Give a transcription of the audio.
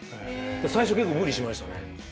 最初結構無理しましたね。